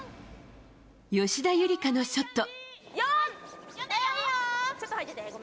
吉田夕梨花のショット。